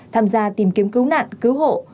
tham gia tìm kiếm cứu nạn cứu hộ